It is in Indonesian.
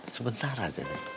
sebentar aja mi